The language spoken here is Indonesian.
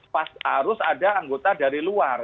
pas harus ada anggota dari luar